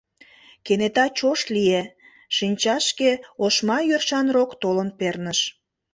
Кенета чошт лие, шинчашке ошма йӧршан рок толын перныш.